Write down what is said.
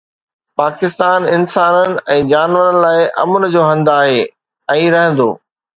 پاڪستان انسانن ۽ جانورن لاءِ امن جو هنڌ آهي ۽ رهندو